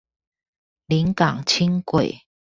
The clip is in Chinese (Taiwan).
臨港輕軌